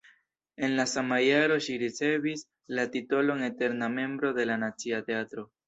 En la sama jaro ŝi ricevis la titolon eterna membro de la Nacia Teatro.